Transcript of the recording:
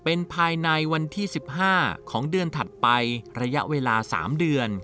เป็นภายในวันที่๑๕ของเดือนถัดไประยะเวลา๓เดือน